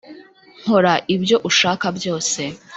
nkora ibyo ushaka byose.